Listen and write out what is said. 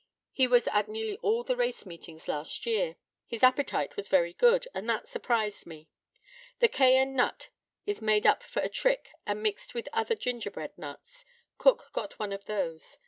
He was at nearly all the race meetings last year. His appetite was very good, and that surprised me. The cayenne nut is made up for a trick and mixed with other gingerbread nuts. Cook got one of those.